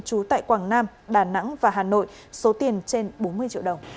trú tại quảng nam đà nẵng và hà nội số tiền trên bốn mươi triệu đồng